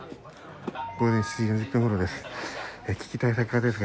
午前７時４０分ごろです。